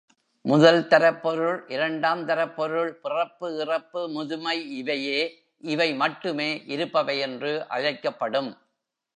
முதல்தரப்பொருள், இரண்டாந்தரப்பொருள், பிறப்பு, இறப்பு, முதுமை இவையே, இவை மட்டுமே, இருப்பவை என்று அழைக்கப்படும்.